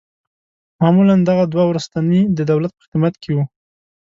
معمولاً دغه دوه وروستني د دولت په خدمت کې وه.